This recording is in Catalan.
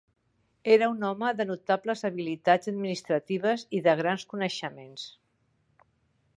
Era un home de notables habilitats administratives i de grans coneixements.